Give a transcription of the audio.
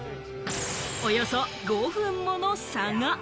およそ５分もの差が。